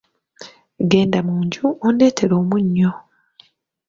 Genda mu nju ondeetere omunnyo.